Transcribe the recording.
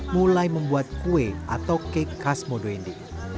mulai membuat kue atau kek khas modo indi